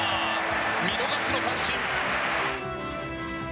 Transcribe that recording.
見逃しの三振。